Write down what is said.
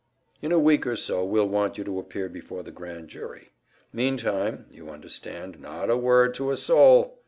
In a week or so, we'll want you to appear before the grand jury. Meantime, you understand not a word to a soul!